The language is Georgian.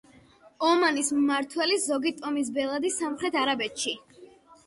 ომანის მმართველი, ზოგი ტომის ბელადი სამხრეთ არაბეთში.